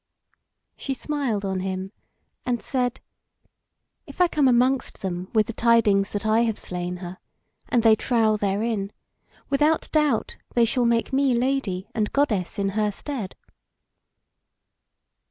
She smiled on him and said: "If I come amongst them with the tidings that I have slain her, and they trow therein, without doubt they shall make me Lady and Goddess in her stead."